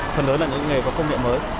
phần lớn là những nghề về công nghệ mới